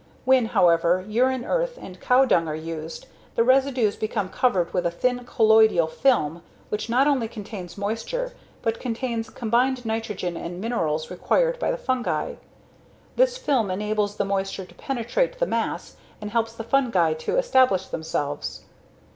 When, however, urine earth and cow dung are used, the residues become covered with a thin colloidal film, which not only retains moisture but contains combined nitrogen and minerals required by the fungi. This film enables the moisture to penetrate the mass and helps the fungi to establish themselves.